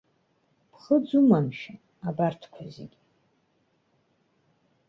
Ԥхыӡума, мшәан, абарҭқәа зегьы?